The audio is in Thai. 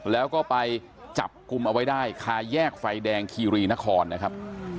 แล้วก็ไปจับกลุ่มเอาไว้ได้คาแยกไฟแดงคีรีนครนะครับ